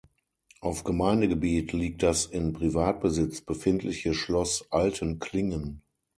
Auf Gemeindegebiet liegt das in Privatbesitz befindliche Schloss Altenklingen.